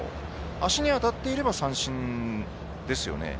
足に当たっていれば三振ですよね。